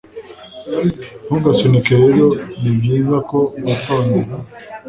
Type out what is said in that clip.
Ntugasunike rero nibyiza ko witondera